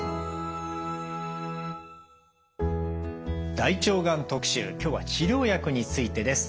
「大腸がん特集」今日は治療薬についてです。